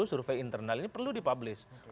survey internal ini perlu dipublish